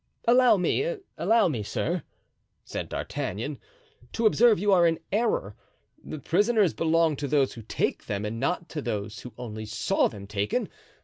"Allow me—allow me, sir," said D'Artagnan, "to observe you are in error. The prisoners belong to those who take them and not to those who only saw them taken.